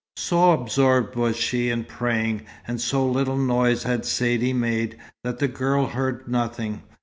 So absorbed was she in praying, and so little noise had Saidee made, that the girl heard nothing.